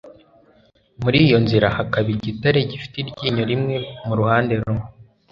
muri iyo nzira hakaba igitare gifite iryinyo rimwe mu ruhande rumwe